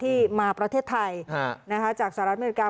ที่มาประเทศไทยอ่านะคะจากศาลัดอเมริกา